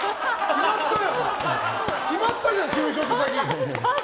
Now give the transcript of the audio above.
決まったじゃん、就職先。